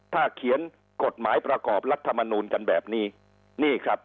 ถ้าเขียนกฎหมายประกอบรัฐมนูญกันแบบนี้